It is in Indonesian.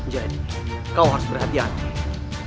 jadi kau harus berhati hati